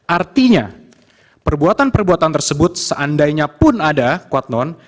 artinya perbuatan perbuatan tersebut seandainya pun ada kuat non